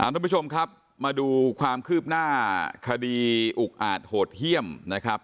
ทุกผู้ชมครับมาดูความคืบหน้าคดีอุกอาจโหดเยี่ยมนะครับ